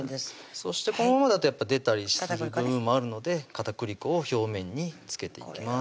そしてこのままだと出たりする部分もあるので片栗粉を表面に付けていきます